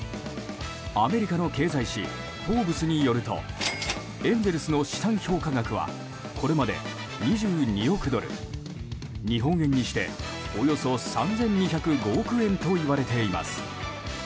アメリカの経済誌「フォーブス」によるとエンゼルスの資産評価額はこれまで、２２億ドル日本円にしておよそ３２０５億円といわれています。